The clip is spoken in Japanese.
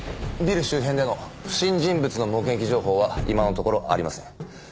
ビル周辺での不審人物の目撃情報は今のところありません。